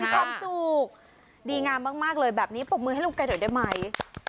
ความสุขดีงามมากเลยแบบนี้ปรบมือให้ลูกแกหน่อยได้ไหม